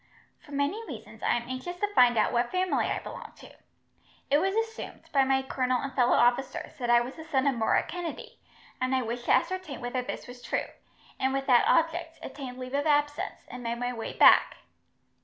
For many reasons, I am anxious to find out what family I belong to. It was assumed, by my colonel and fellow officers, that I was the son of Murroch Kennedy, and I wished to ascertain whether this was true, and with that object obtained leave of absence, and made my way back."